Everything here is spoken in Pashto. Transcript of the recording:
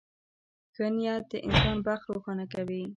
• ښه نیت د انسان بخت روښانه کوي.